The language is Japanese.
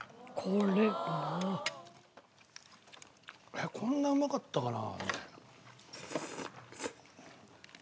えっこんなうまかったかな？